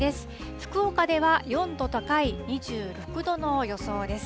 福岡では４度高い２６度の予想です。